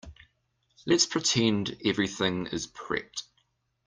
Let's pretend everything is prepped.